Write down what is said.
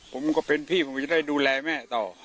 ผมก็เป็นพี่ผมจะได้ดูแลแม่ต่อ